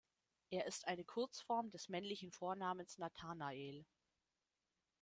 Er ist eine Kurzform des männlichen Vornamens Nathanael.